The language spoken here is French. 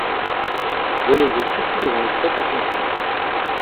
Je les ai foutues devant le fait accompli.